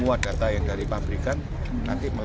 ada enam belas orang dari amerika semua